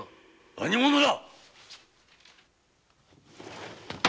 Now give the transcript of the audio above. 何者だ？